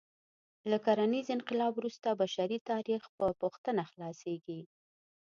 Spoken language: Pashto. له کرنیز انقلاب وروسته بشري تاریخ په پوښتنه خلاصه کېږي.